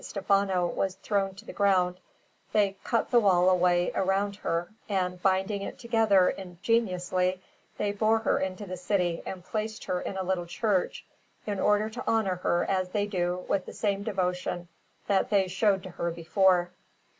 Stefano was thrown to the ground, they cut the wall away round her, and, binding it together ingeniously, they bore her into the city and placed her in a little church, in order to honour her, as they do, with the same devotion that they showed to her before.